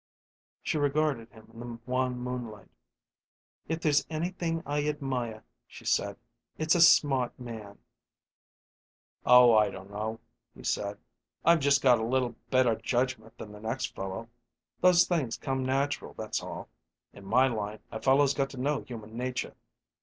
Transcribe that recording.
She regarded him in the wan moonlight. "If there's anything I admire," she said, "it's a smart man." "Oh, I don't know," he said. "I've just got a little better judgment than the next fellow. Those things come natural, that's all. In my line a fellow's got to know human nature.